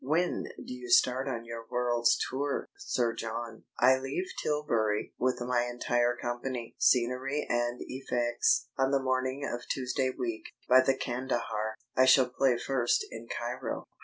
"When do you start on your world's tour, Sir John?" "I leave Tilbury with my entire company, scenery and effects, on the morning of Tuesday week, by the Kandahar. I shall play first in Cairo."